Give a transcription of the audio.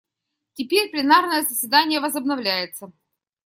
Теперь пленарное заседание возобновляется.